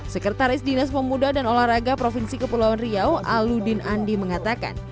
sekretaris dinas pemuda dan olahraga provinsi kepulauan riau aludin andi mengatakan